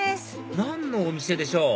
何のお店でしょう？